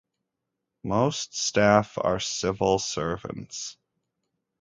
Most staff are civil servants.